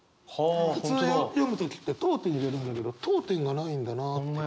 普通読む時って読点入れるんだけど読点がないんだなって。